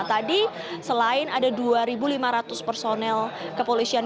tadi selain ada dua ribu lima ratus personil kepolisian